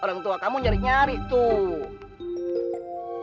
orang tua kamu nyari nyari tuh